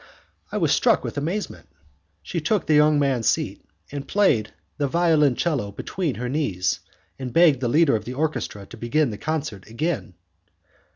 I was struck with amazement. She took the young man's seat, placed the violoncello between her knees, and begged the leader of the orchestra to begin the concerto again.